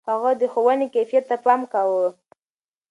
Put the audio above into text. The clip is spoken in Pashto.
هغه د ښوونې کيفيت ته پام کاوه.